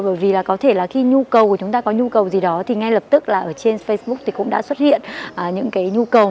bởi vì là có thể là khi nhu cầu của chúng ta có nhu cầu gì đó thì ngay lập tức là ở trên facebook thì cũng đã xuất hiện những cái nhu cầu